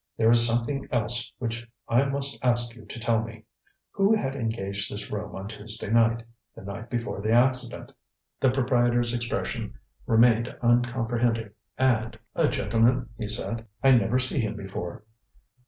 There is something else which I must ask you to tell me. Who had engaged this room on Tuesday night, the night before the accident? ŌĆØ The proprietor's expression remained uncomprehending, and: ŌĆ£A gentleman, ŌĆØ he said. ŌĆ£I never see him before.